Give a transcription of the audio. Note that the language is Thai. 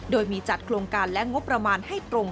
โดยมีจัดโครงการและงบประมาณให้ตรง